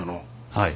はい。